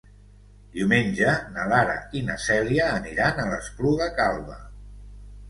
Diumenge na Lara i na Cèlia aniran a l'Espluga Calba.